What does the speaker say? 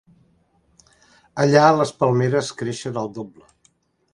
Allà, les palmeres creixen el doble.